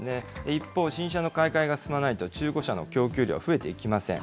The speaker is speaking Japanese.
一方、新車の買い替えが進まないと、中古車の供給量は増えていきません。